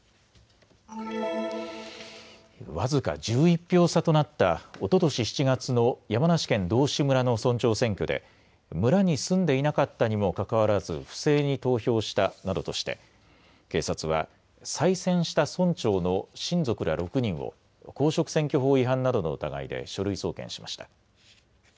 僅か１１票差となったおととし７月の山梨県道志村の村長選挙で村に住んでいなかったにもかかわらず不正に投票したなどとして警察は再選した村長の親族ら６人を公職選挙法違反などの疑いで書類送検しました。